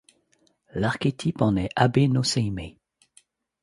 L'archétype en est Abe no Seimei.